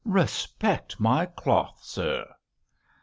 'Respect my cloth, sir.'